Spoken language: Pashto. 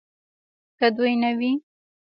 که دوی نه وي